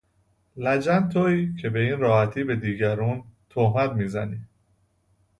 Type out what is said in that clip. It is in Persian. لجن تویی که به این راحتی به دیگرون تهمت می زنی